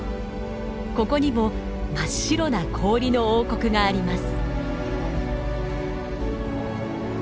ここにも真っ白な氷の王国があります。